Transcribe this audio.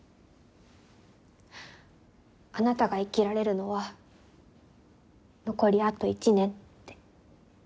「あなたが生きられるのは残りあと１年」って。